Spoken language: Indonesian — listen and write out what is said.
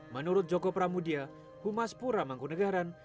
menurut joko pramudia humas pura mangkunagaran